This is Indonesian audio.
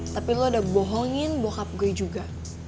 tapi lo ada bohongin bouhab gue juga